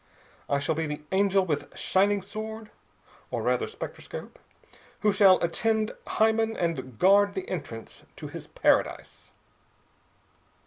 I shall be the angel with shining sword (or rather spectroscope] who shall attend Hymen and guard the entrance to his paradise.